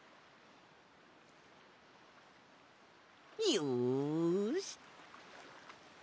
よし。